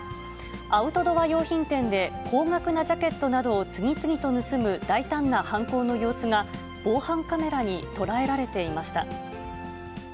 アウトドア用品店で、高額なジャケットなどを次々と盗む大胆な犯行の様子が、防犯カメラに捉えられていました。